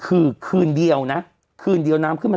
กรมป้องกันแล้วก็บรรเทาสาธารณภัยนะคะ